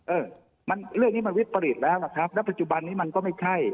เออมันเรื่องนี้มันวิปริตแล้วล่ะครับแล้วปัจจุบันนี้มันก็ไม่ใช่